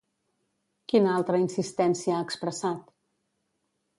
Quina altra insistència ha expressat?